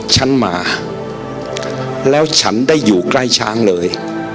ฉันมาแล้วฉันได้อยู่ใกล้ช้างเลย